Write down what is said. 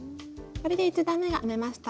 これで１段めが編めました。